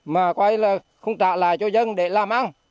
mà coi là không trả lại cho dân để làm ăn